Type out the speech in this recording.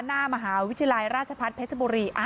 หน้ามหาวิทยาลัยราชพัฒน์เพชรบุรี